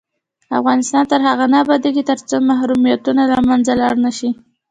افغانستان تر هغو نه ابادیږي، ترڅو محرومیتونه له منځه لاړ نشي.